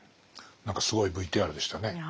何かすごいＶＴＲでしたね。